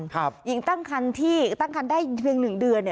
หญิงตั้งคันที่ตั้งคันได้เพียง๑เดือน